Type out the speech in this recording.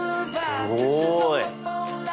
すごい。